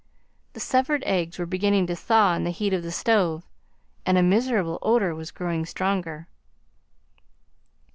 The severed eggs were beginning to thaw in the heat of the stove, and a miserable odour was growing stronger.